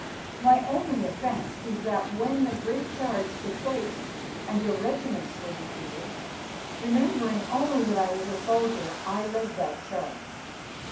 My only offence is that when the great charge took place and your regiments were defeated, remembering only that I was a soldier, I led that charge.